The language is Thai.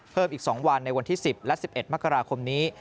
เพิ่มอีก๒วันในวันที่๑๐และ๑๑มกราคมนี้